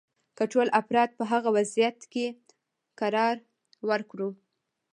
که ټول افراد په هغه وضعیت کې قرار ورکړو.